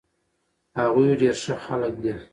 هغوي ډير ښه خلک دي